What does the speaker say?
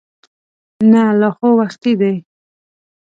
نه لا خو وختي دی.